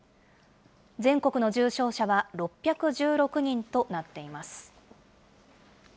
全国の重症者は６１６人となっています。